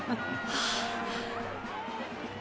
はあ！